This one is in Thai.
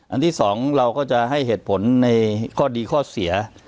ที่สองเราก็จะให้เหตุผลในข้อดีข้อเสีย